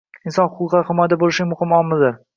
inson huquqlari himoyada bo‘lishining muhim omilidir.